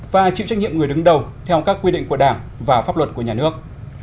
và chịu trách nhiệm người đứng đầu theo các quy định của đảng và pháp luật của nhà nước